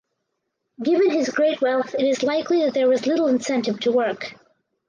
Given his great wealth it is likely that there was little incentive to work.